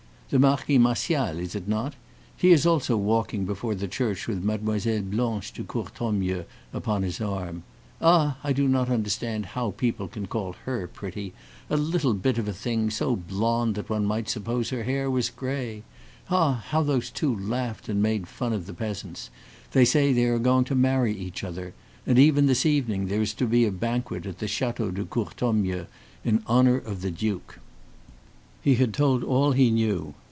"The Marquis Martial, is it not? He is also walking before the church with Mademoiselle Blanche de Courtornieu upon his arm. Ah! I do not understand how people can call her pretty a little bit of a thing, so blond that one might suppose her hair was gray. Ah! how those two laughed and made fun of the peasants. They say they are going to marry each other. And even this evening there is to be a banquet at the Chateau de Courtornieu in honor of the duke." He had told all he knew.